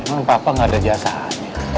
emang papa gak ada jasaannya